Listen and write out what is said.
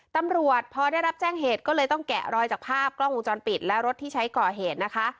ตำรวจพอได้รับแจ้งเหตุก็เลยต้องแกะรอยจากภาพกล้องวงจรปิดและรถที่ใช้ก่อเหตุนะคะ